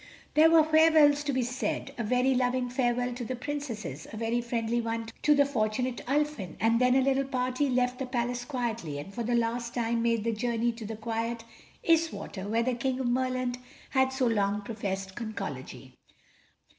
There were farewells to be said—a very loving farewell to the Princesses, a very friendly one to the fortunate Ulfin, and then a little party left the Palace quietly and for the last time made the journey to the quiet Iswater where the King of Merland had so long professed Conchology.